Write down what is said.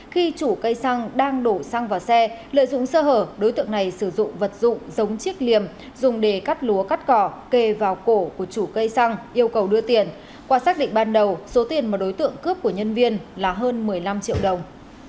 khi chủ cây xăng đang đổ xăng vào xe lợi dụng sơ hở đối tượng này sử dụng vật dụng giống chiếc liềm dùng để cắt lúa cắt cỏ kề vào cổ của chủ cây xăng yêu cầu đưa tiền qua xác định ban đầu số tiền mà đối tượng cướp của nhân viên là hơn một mươi năm triệu đồng